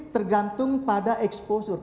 tergantung pada exposure